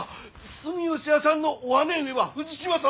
住吉屋さんのお姉上は富士島様！